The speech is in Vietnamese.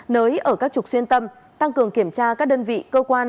nới ở các trục xuyên tâm tăng cường kiểm tra các đơn vị cơ quan